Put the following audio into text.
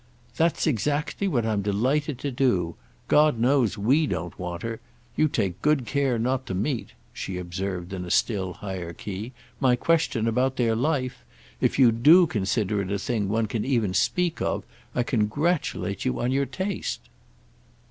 "That's exactly what I'm delighted to do. God knows we don't want her! You take good care not to meet," she observed in a still higher key, "my question about their life. If you do consider it a thing one can even speak of, I congratulate you on your taste!"